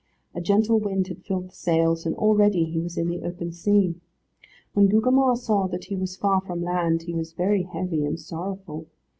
A gentle wind had filled the sails, and already he was in the open sea. When Gugemar saw that he was far from land, he was very heavy and sorrowful.